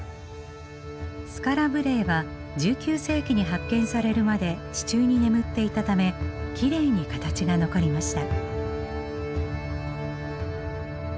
スカラ・ブレエは１９世紀に発見されるまで地中に眠っていたためきれいに形が残りました。